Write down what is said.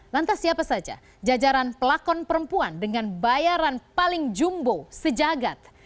lantas siapa saja jajaran pelakon perempuan dengan bayaran paling jumbo sejagat